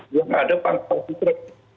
dia tidak ada pantai fitur